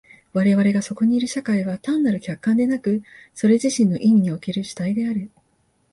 我々がそこにいる社会は単なる客観でなく、それ自身の意味における主体である。